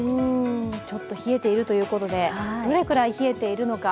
ちょっと冷えているということで、どれくらい冷えているのか